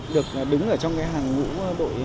được đứng ở trong cái hàng ngũ đội